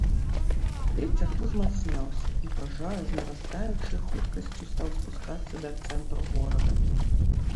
Вецер узмацняўся, і пажар з нарастаючай хуткасцю стаў спускацца да цэнтру горада.